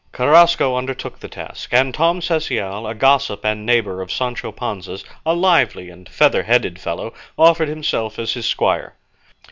Carrasco undertook the task, and Tom Cecial, a gossip and neighbour of Sancho Panza's, a lively, feather headed fellow, offered himself as his squire.